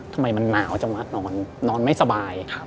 ทำไมมันหนาวจังวะนอนไม่สบาย